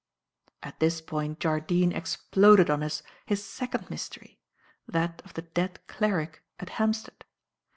"At this point Jardine exploded on us his second mystery; that of the dead cleric at Hampstead.